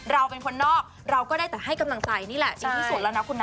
เราเป็นคนนอกเราก็ได้แต่ให้กำลังใจนี่แหละดีที่สุดแล้วนะคุณนะ